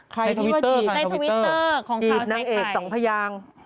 ในทวิตเตอร์ค่ะในทวิตเตอร์ของคราวสายไข่จีบนักเอกสองพยาง